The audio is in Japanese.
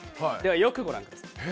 よくご覧ください。